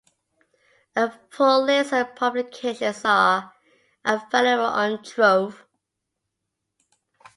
A full list of publications are available on Trove.